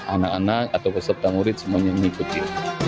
anak anak atau peserta murid semuanya mengikuti